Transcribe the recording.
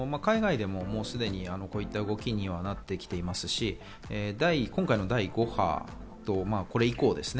海外でもこういった動きになってきていますし、今回の第５波、これ以降ですね。